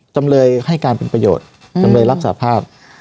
จำเลยให้การเป็นประโยชน์จำเลยรับสาภาพ